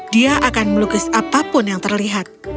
dia akan melukis apapun yang terlihat